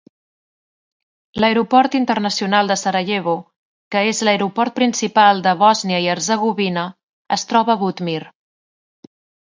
L'Aeroport Internacional de Sarajevo, que és l'aeroport principal de Bòsnia i Herzegovina, es troba a Butmir.